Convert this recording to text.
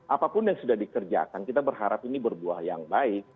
apapun yang sudah dikerjakan kita berharap ini berbuah yang baik